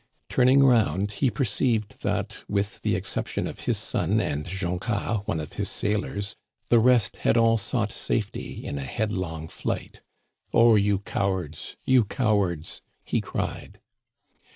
Turning round, he perceived that, with the exception of his son and Joncas, one of his sailors, the rest had all sought safety in a headlong flight. " Oh, you cowards, you cowards !'* he cried.